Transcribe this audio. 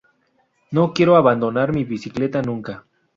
No quiero abandonar mi bicicleta nunca.